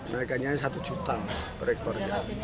naikannya rp satu juta per ekor